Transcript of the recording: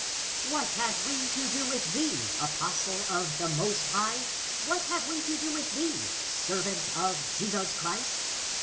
What have we to do with thee, apostle of the Alost High? What have we to do with thee, servant of |esus Christ?